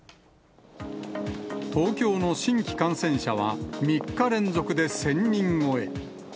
東京の新規感染者は３日連続で１０００人超え。